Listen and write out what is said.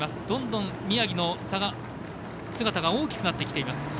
どんどん宮城の姿が大きくなってきています。